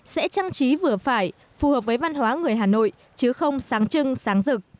sẽ trang trí vừa phải phù hợp với văn hóa người hà nội chứ không sáng trưng sáng rực